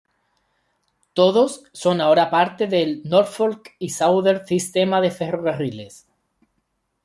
Todos son ahora parte del Norfolk y Southern Sistema de ferrocarriles.